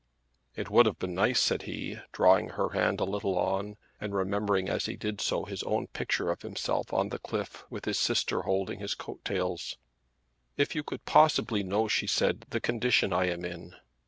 "It would have been nice," said he, drawing her hand a little on, and remembering as he did so his own picture of himself on the cliff with his sister holding his coat tails. "If you could possibly know," she said, "the condition I am in."